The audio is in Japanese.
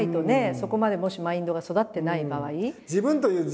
そこまでもしマインドが育ってない場合。